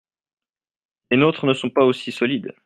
Les nôtres ne sont pas aussi solides.